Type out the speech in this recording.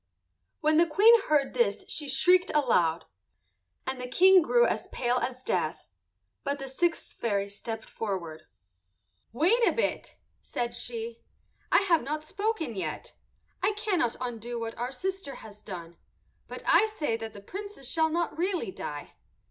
When the Queen heard this she shrieked aloud, and the King grew as pale as death. But the sixth fairy stepped forward. "Wait a bit," said she. "I have not spoken yet. I cannot undo what our sister has done, but I say that the Princess shall not really die.